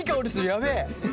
やべえ。